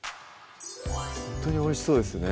ほんとにおいしそうですね